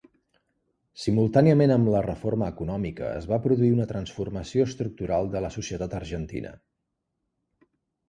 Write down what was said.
Simultàniament amb la reforma econòmica es va produir una transformació estructural de la societat argentina.